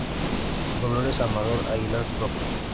Dolores Amador Aguilar, Profr.